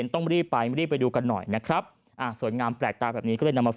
ต้องรีบไปรีบไปดูกันหน่อยนะครับอ่าสวยงามแปลกตาแบบนี้ก็เลยนำมา